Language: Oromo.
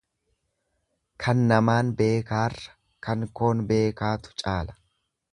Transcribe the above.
Kan namaan beekaarra, kan koon beekaatu caala.